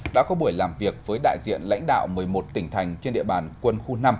đã có buổi làm việc với đại diện lãnh đạo một mươi một tỉnh thành trên địa bàn quân khu năm